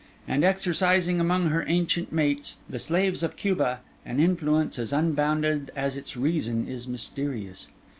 and exercising among her ancient mates, the slaves of Cuba, an influence as unbounded as its reason is mysterious.